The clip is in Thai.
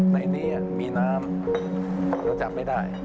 ในนี้มีน้ำเราจับไม่ได้